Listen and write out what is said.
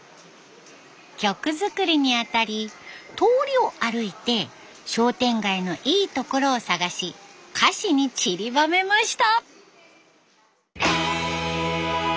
曲作りにあたり通りを歩いて商店街のいいところを探し歌詞に散りばめました。